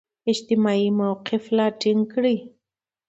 اجتماعي موقف لا ټینګ کړي.